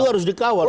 itu harus dikawal pak